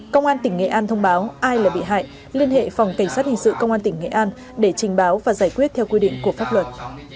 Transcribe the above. công an tỉnh nghệ an thông báo ai là bị hại liên hệ phòng cảnh sát hình sự công an tỉnh nghệ an để trình báo và giải quyết theo quy định của pháp luật